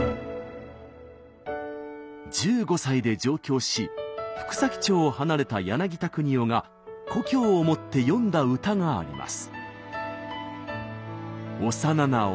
１５歳で上京し福崎町を離れた柳田国男が故郷を思って詠んだ歌があります。